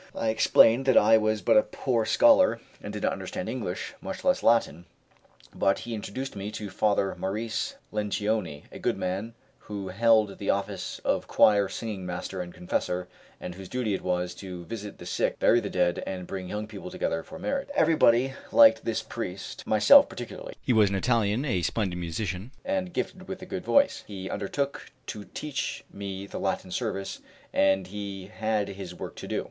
I explained that I was but a poor scholar, and did not understand English, much less Latin; but he introduced me to Father Maurice Lencioni, a good man, who held the office of choir singing master and confessor, and whose duty it was to visit the sick, bury the dead, and bring young people together for marriage. Everybody liked this priest, myself particularly. He was an Italian, a splendid musician, and gifted with a good voice; he undertook to teach me the Latin service, and he had his work to do.